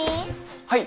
はい。